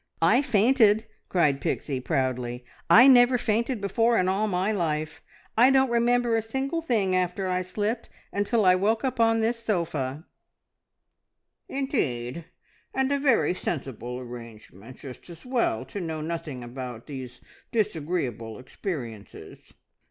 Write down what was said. "I fainted!" cried Pixie proudly. "I never fainted before in all my life. I don't remember a single thing after I slipped, until I woke up on this sofa." "Indeed! and a very sensible arrangement. Just as well to know nothing about these disagreeable experiences."